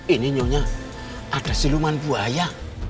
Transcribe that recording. ini nyonya ada siluman buaya